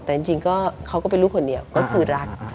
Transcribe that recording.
แต่จริงก็เขาก็เป็นลูกคนเดียวก็คือรัก